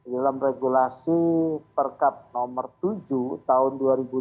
dalam regulasi perkab nomor tujuh tahun dua ribu dua puluh